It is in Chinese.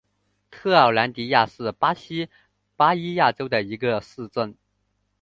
特奥兰迪亚是巴西巴伊亚州的一个市镇。